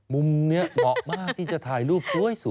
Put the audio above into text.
มุมนี้เหมาะมากที่จะถ่ายรูปสวย